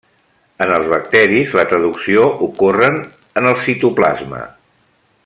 En els bacteris la traducció ocorren en el citoplasma.